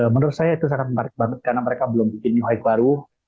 menurut saya itu sangat menarik banget karena mereka belum bikin new hoib baru